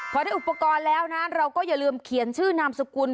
พอได้อุปกรณ์แล้วนะเราก็อย่าลืมเขียนชื่อนามสกุล